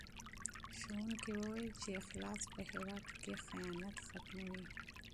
استاد وویل چې اخلاص په هېواد کې خیانت ختموي.